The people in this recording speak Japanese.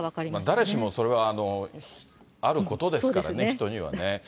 誰しもそれはあることですからね、人にはね。